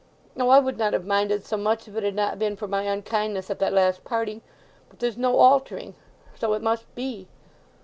O I would not have minded so much if it had not been for my unkindness at that last parting!... But there's no altering—so it must be."